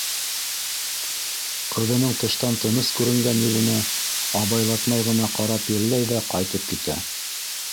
Ҡыҙының тыштан тыныс күренгән йөҙөнә абайлатмай ғына ҡарап йәлләй ҙә ҡайтып китә.